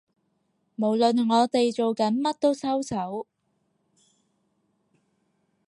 無論我哋做緊乜都收手